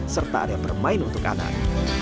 serta area bermain untuk anak